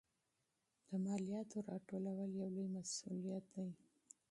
د مالیاتو راټولول یو لوی مسوولیت دی.